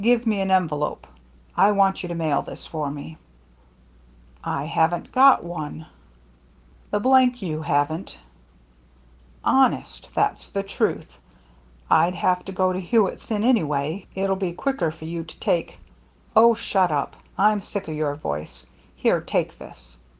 "Give me an envelope; I want you to mail this for me." " I haven't got one." " The you haven't !"" Honest — that's the truth. I'd have to go to Hewittson, anyway. It'll be quicker for you to take —"" Oh, shut up. I'm sick o' your voice. Here, take this."